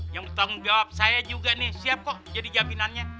yang bertanggung jawab saya juga nih siap kok jadi jaminannya